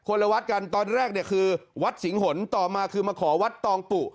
ละวัดกันตอนแรกเนี่ยคือวัดสิงหนต่อมาคือมาขอวัดตองปุ